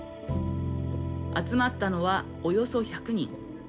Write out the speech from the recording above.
集まったのは、およそ１００人。